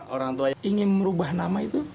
orang tua yang ingin merubah nama itu